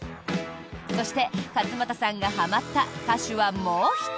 そして勝俣さんがはまった歌手はもう１人。